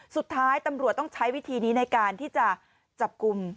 สุดท้ายตำรวจต้องใช้วิธีนี้ในการที่จะจับกลุ่ม